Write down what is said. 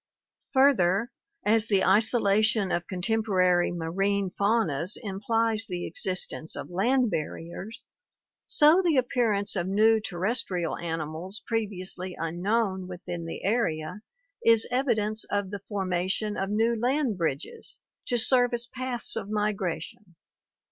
Further, as the isolation of contemporary marine faunas implies the existence of land barriers, so the appearance of new terrestrial animals previously unknown within the area is evidence of the formation of new land bridges to serve as paths of migration.